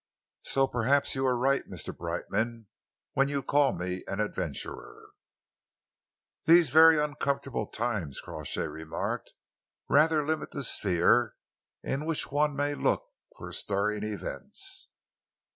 So perhaps you are right, Mr. Brightman, when you call me an adventurer." "These very uncomfortable times," Crawshay remarked, "rather limit the sphere in which one may look for stirring events."